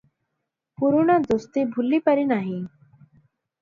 ପୁରୁଣା ଦୋସ୍ତି ଭୁଲି ପାରି ନାହିଁ ।